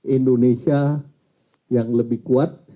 indonesia yang lebih kuat